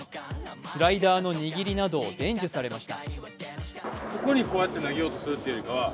スライダーの握りなどを伝授されました。